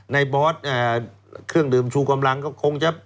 บอสเครื่องดื่มชูกำลังก็คงจะ